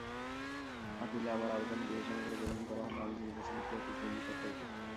আপিলে আমার আবেদন বিবেচনা করে গ্রহণ করা হলে আমি নির্বাচনে প্রতিদ্বন্দ্বিতা করব।